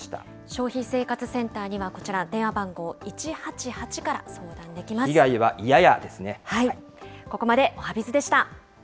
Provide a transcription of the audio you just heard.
消費生活センターには、こちら電話番号、１８８から相談でき被害はいやや、ですね。